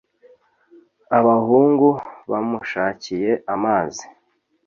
Abahungu bamushakiye amazi